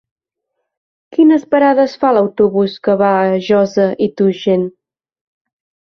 Quines parades fa l'autobús que va a Josa i Tuixén?